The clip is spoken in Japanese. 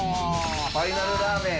ファイナルラーメン。